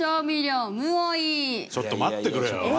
ちょっと待ってくれよ。